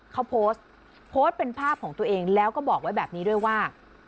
เขาโพสต์โพสต์เป็นภาพของตัวเองแล้วก็บอกไว้แบบนี้ด้วยว่า